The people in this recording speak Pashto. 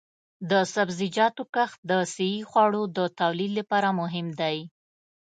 د سبزیجاتو کښت د صحي خوړو د تولید لپاره مهم دی.